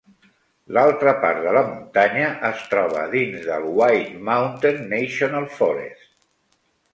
L'altra part de la muntanya es troba dins del White Mountain National Forest.